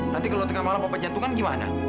nanti kalo tengah malam papa jatuh kan gimana